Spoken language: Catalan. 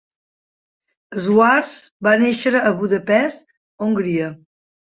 Schwartz va néixer a Budapest, Hongria.